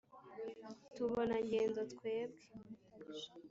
tubona ngendo twebwe! […]